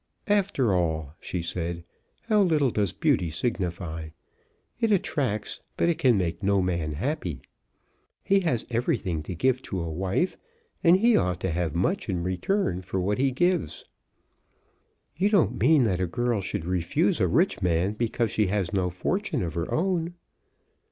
"After all," she said, "how little does beauty signify! It attracts, but it can make no man happy. He has everything to give to a wife, and he ought to have much in return for what he gives." "You don't mean that a girl should refuse a rich man because she has no fortune of her own?"